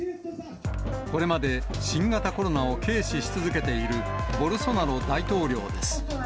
これまで新型コロナを軽視し続けているボルソナロ大統領です。